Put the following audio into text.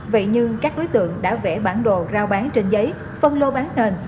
vậy nhưng các đối tượng đã vẽ bản đồ rao bán trên giấy phân lô bán nền